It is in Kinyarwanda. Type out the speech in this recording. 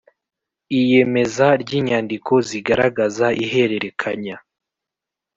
Iyemeza ry inyandiko zigaragaza ihererekanya